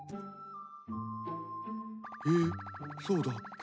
えっそうだっけ？